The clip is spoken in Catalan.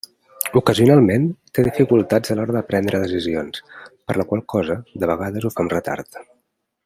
Ocasionalment té dificultats a l'hora de prendre decisions, per la qual cosa, de vegades ho fa amb retard.